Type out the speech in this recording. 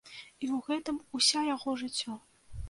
І ў гэтым уся яго жыццё.